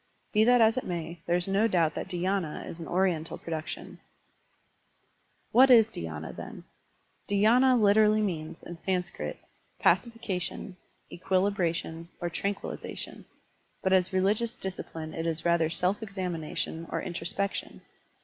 Be that as it may, there is no doubt that dhy^na is an Oriental production What is dhySna, then ? Dhy^na literally means, in Sanskrit, pacification, equilibration, or tran quillization, but as religious discipline it is rather self examination or introspection.